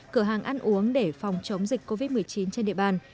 cửa hàng ăn uống để phòng chống dịch covid một mươi chín trên địa bàn